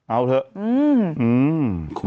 เอาเพิ่ง